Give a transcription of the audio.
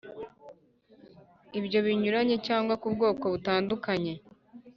Ibyo Binyuranye cyangwa ku bwoko butangukanye